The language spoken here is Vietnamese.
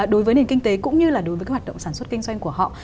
đối với nền kinh tế cũng như là đối với các hoạt động sản xuất kinh doanh của họ